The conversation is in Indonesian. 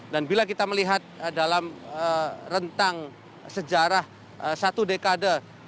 dan bila kita melihat dalam rentang sejarah satu dekade